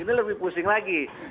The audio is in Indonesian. ini lebih pusing lagi